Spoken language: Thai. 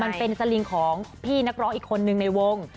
มันเป็นสลิงของพี่นักร้องอีกคนนึงในวง